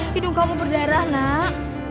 hidung kamu berdarah nak